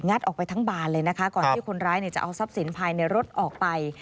ออกไปทั้งบานเลยนะคะก่อนที่คนร้ายจะเอาทรัพย์สินภายในรถออกไป